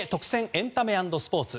エンタメ＆スポーツ。